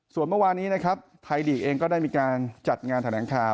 ส่วนเมื่อวานี้นะครับไทยลีกเองก็ได้มีการจัดงานแถลงข่าว